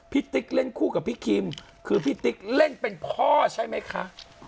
ติ๊กเล่นคู่กับพี่คิมคือพี่ติ๊กเล่นเป็นพ่อใช่ไหมคะ